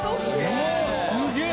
すげえ！